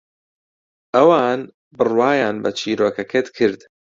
ئەوان بڕوایان بە چیرۆکەکەت کرد.